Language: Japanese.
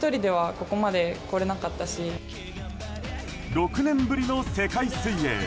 ６年ぶりの世界水泳。